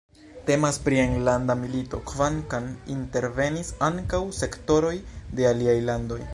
Temas pri enlanda milito, kvankam intervenis ankaŭ sektoroj de aliaj landoj.